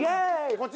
こっち。